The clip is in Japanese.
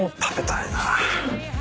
食べたいな。